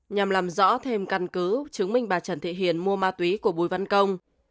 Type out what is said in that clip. nhằm làm rõ thêm căn cứ chứng minh bà trần thị hiền mua ma túy của bùi văn công